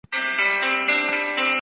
ملکیت د انسان یو حق دی.